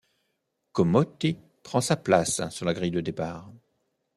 Comotti prend sa place sur la grille de départ.